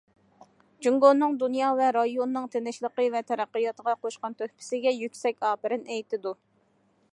جۇڭگونىڭ دۇنيا ۋە رايوننىڭ تىنچلىقى ۋە تەرەققىياتىغا قوشقان تۆھپىسىگە يۈكسەك ئاپىرىن ئېيتىدۇ.